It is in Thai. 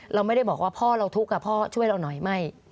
เราไม่ได้บอกว่าพ่อเราทุกข์พ่อช่วยเราหน่อยไม่